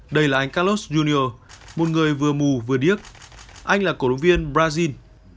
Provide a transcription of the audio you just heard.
đây là anh carlos jr một người vừa mù vừa điếc anh là cổ động viên brazil